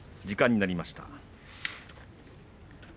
時間になりました。